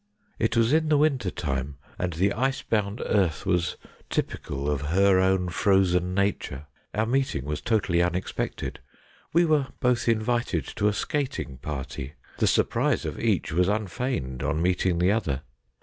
It was in the winter time, and the ice bound earth was typical of her own frozen nature. Our meeting was totally unexpected. We were both invited to a skating party. The surprise of each was unfeigned on meeting the other.